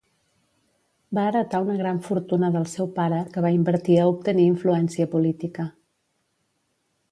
Va heretar una gran fortuna del seu pare que va invertir a obtenir influència política.